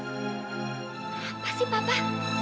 apa sih papa